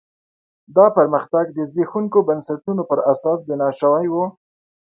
دا پرمختګ د زبېښونکو بنسټونو پر اساس بنا شوی و.